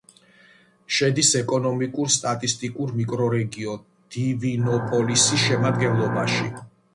შედის ეკონომიკურ-სტატისტიკურ მიკრორეგიონ დივინოპოლისის შემადგენლობაში.